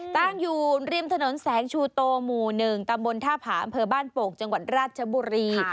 ตั้งอยู่ริมถนนแสงชูโตหมู่๑ตำบลท่าผาอำเภอบ้านโป่งจังหวัดราชบุรี